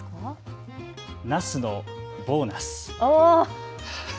ナスのボーナス。